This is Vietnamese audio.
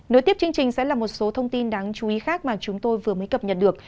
nối tiếp chương trình sẽ là một số thông tin đáng chú ý khác mà chúng tôi vừa mới cập nhật được